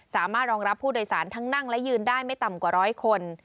สามารถรองรับผู้โดยสารทั้งนั่งและยืนได้ไม่ต่ำกว่าร้อยคน